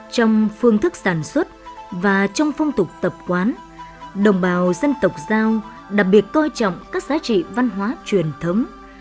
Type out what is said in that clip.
trong phương thức sản xuất và trong phong tục tập quán đồng bào dân tộc giao đặc biệt coi trọng các giá trị văn hóa truyền thống